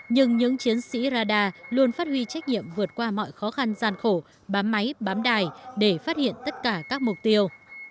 nhưng những chiến sĩ radar luôn phát huy trách nhiệm vượt qua mọi khó khăn gian khổ bám máy bám đài để phát hiện tất cả các mục tiêu